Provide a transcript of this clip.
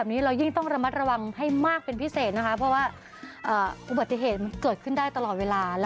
จริงนะคะเพราะว่าอุบัติเหตุมันเกิดขึ้นได้ตลอดเวลา